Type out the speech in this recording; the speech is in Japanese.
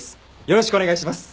よろしくお願いします。